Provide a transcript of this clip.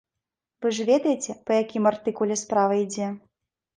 Вы ж ведаеце, па якім артыкуле справа ідзе.